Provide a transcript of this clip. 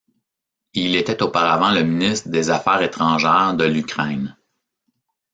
Il était auparavant le ministre des Affaires étrangères de l'Ukraine.